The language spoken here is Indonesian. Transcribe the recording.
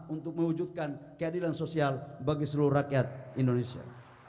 untuk mewujudkan keadilan sosial bagi seluruh rakyat indonesia